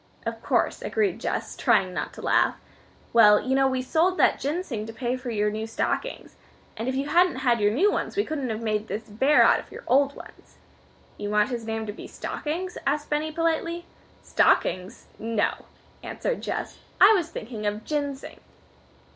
"Of course," agreed Jess, trying not to laugh. "Well, you know we sold that ginseng to pay for your new stockings. And if you hadn't had your new ones, we couldn't have made this bear out of your old ones." "You want his name to be Stockings?" asked Benny politely. "Stockings? No," answered Jess. "I was thinking of 'Ginseng.'"